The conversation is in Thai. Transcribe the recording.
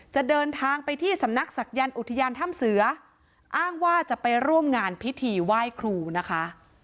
จะเดินทางไปที่สำนักศักยันต์อุทยานถ้ำเสืออ้างว่าจะไปร่วมงานพิธีไหว้ครูนะคะ